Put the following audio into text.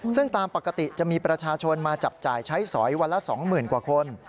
ซึ่งตามปกติจะมีประชาชนมาจับจ่ายใช้สอยวันละ๒๐๐๐กว่าคน